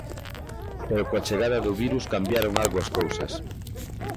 Pero coa chegada do virus cambiaron algo as cousas...